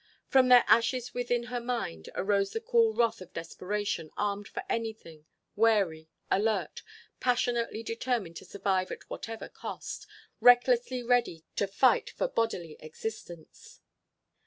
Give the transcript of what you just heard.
From their ashes within her mind arose the cool wrath of desperation armed for anything, wary, alert, passionately determined to survive at whatever cost, recklessly ready to fight for bodily existence.